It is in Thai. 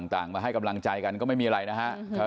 ต่างมาให้กำลังใจกันก็ไม่มีอะไรนะฮะ